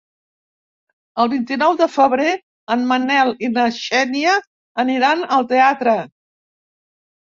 El vint-i-nou de febrer en Manel i na Xènia aniran al teatre.